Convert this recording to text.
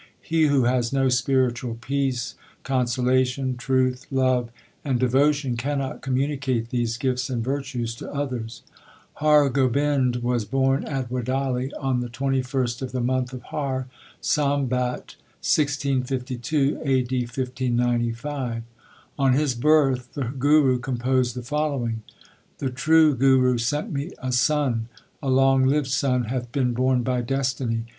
He who has no spiritual peace, consolation, truth, love and devotion cannot com municate these gifts and virtues to others. Har Gobind was born at Wadali on the 2ist of the month of Har, Sambat 1652 (A. D. 1595). On his birth the Guru composed the following : The True Guru sent me a son ; A long lived son hath been born by destiny.